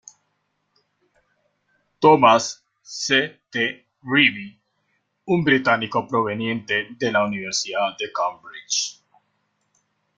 Tomas C. T. Reeve, un británico proveniente de la Universidad de Cambridge.